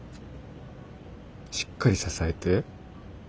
しっかり支えて。